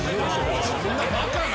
そんなバカな。